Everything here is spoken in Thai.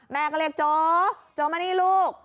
แม่ก็เรียกโจโจมานี่ลูก